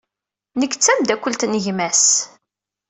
Nekk d tameddakelt n gma-s.